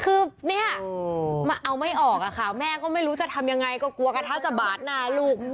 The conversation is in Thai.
คือเนี่ยมันเอาไม่ออกอะค่ะแม่ก็ไม่รู้จะทำยังไงก็กลัวกระเท้าจะบาดหน้าลูก